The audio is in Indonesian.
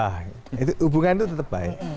hubungan itu tetap baik